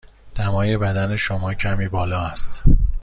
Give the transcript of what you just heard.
دمای بدن شما کمی بالا است.